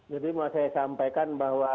jadi mau saya sampaikan bahwa